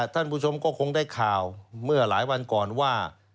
ท่านผู้ชมก็คงได้ข่าวเมื่อหลายวันก่อนว่า